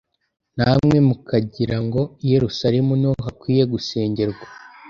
namwe mukagira ngo i Yerusalemu ni ho hakwiriye gusengerwa